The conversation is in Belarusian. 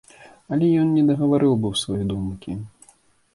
Але ён не дагаварыў быў сваёй думкі.